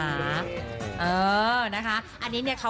อันนี้เนี่ยเขาให้นั่งกล่องพี่โจอี้นะคะ